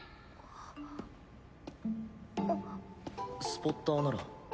スポッターなら。